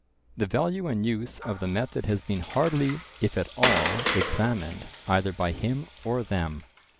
The value and use of the method has been hardly, if at all, examined either by him or them.